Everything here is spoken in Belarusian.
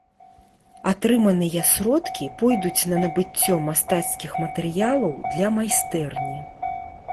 Атрыманыя сродкі пойдуць на набыццё мастацкіх матэрыялаў для майстэрні.